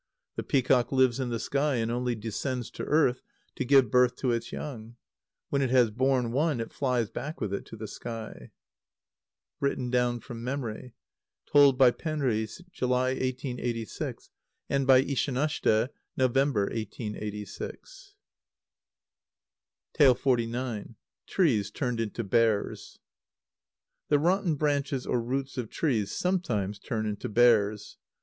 The peacock lives in the sky, and only descends to earth to give birth to its young. When it has borne one, it flies back with it to the sky. (Written down from memory. Told by Penri, July, 1886, and by Ishanashte, November, 1886.) xlix. Trees turned into Bears. The rotten branches or roots of trees sometimes turn into bears.